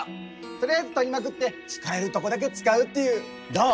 とりあえず撮りまくって使えるとこだけ使うっていうどう？